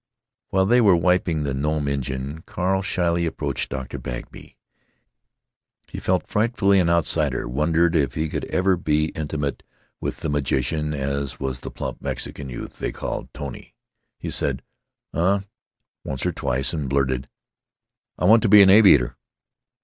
While they were wiping the Gnôme engine Carl shyly approached Dr. Bagby. He felt frightfully an outsider; wondered if he could ever be intimate with the magician as was the plump Mexican youth they called "Tony." He said "Uh" once or twice, and blurted, "I want to be an aviator."